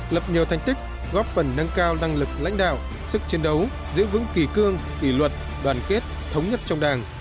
lập nhiều thành tích góp phần nâng cao năng lực lãnh đạo sức chiến đấu giữ vững kỳ cương kỳ luật đoàn kết thống nhất trong đảng